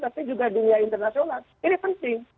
tapi juga dunia internasional ini penting